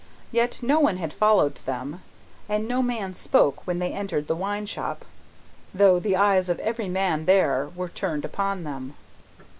Yet, no one had followed them, and no man spoke when they entered the wine shop, though the eyes of every man there were turned upon them.